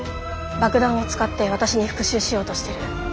爆弾を使って私に復讐しようとしてる。